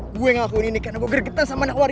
gue yang ngakuin ini karena gue gergetan sama nakwar